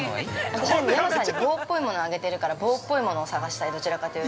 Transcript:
◆私は、山さんに棒っぽいものをあげてるから棒っぽいものを探したい、どちらかというと。